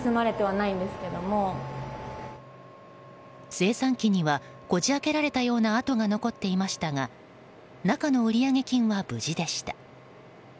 精算機にはこじ開けられたような跡が残っていましたが中の売上金は無事でした。